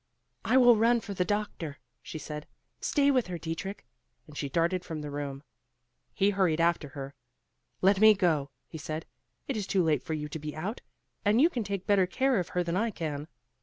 "I will run for the doctor," she said, "stay with her, Dietrich;" and she darted from the room. He hurried after her. "Let me go," he said, "it is too late for you to be out, and you can take better care of her than I can."